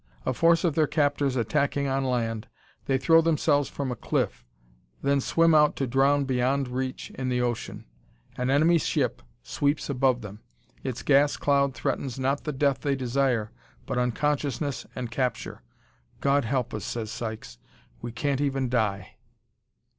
A force of their captors attacking on land, they throw themselves from a cliff, then swim out to drown beyond reach in the ocean. An enemy ship sweeps above them: its gas cloud threatens not the death they desire but unconsciousness and capture. "God help us," says Sykes; "we can't even die!"